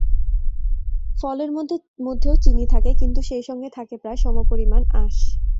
ফলের মধ্যেও চিনি থাকে, কিন্তু সেই সঙ্গে থাকে প্রায় সমপরিমাণ আঁশ।